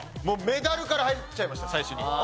もう「メダル」から入っちゃいました最初に。